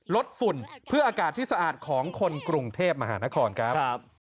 ฝุ่นเพื่ออากาศที่สะอาดของคนกรุงเทพมหานครครับ